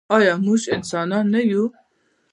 آیا موږ انسانان نه یو؟